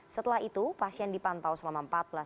setelah itu pasien dipantau soal kesehatan dan keadaan diri